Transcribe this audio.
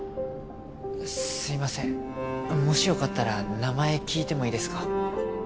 すみませんもしよかったら名前聞いてもいいですか？